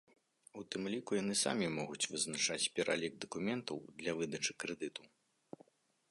У тым ліку яны самі могуць вызначаць пералік дакументаў для выдачы крэдыту.